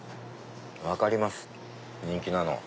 分かります人気なの。